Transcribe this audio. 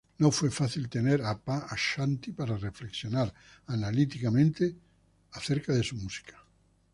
No fue fácil tener a Pa Ashanti para reflexionar analíticamente acerca de su música.